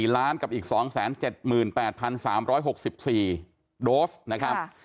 ล้านกับอีก๒๗๘๓๖๔โดสนะครับ